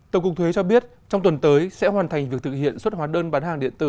tổng cục thuế cho biết trong tuần tới sẽ hoàn thành việc thực hiện xuất hóa đơn bán hàng điện tử